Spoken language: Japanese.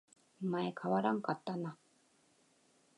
お前変わらんかったな